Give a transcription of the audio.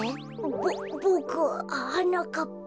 ボボクははなかっぱ。